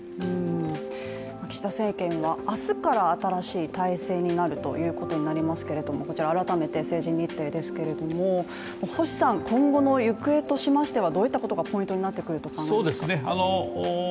岸田政権は明日から新しい体制になるということになりますけれども改めて政治日程ですけれども、今後の行方としましては、どういったことがポイントになってくると考えますか？